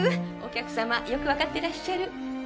お客様よく分かってらっしゃる。